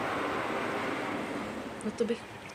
V ten den zasáhl ještě dva sovětské vojáky.